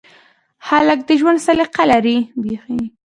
هلک د ژوند سلیقه لري.